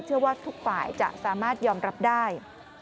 เชื่อว่าทุกฝ่ายจะสามารถยอมรับได้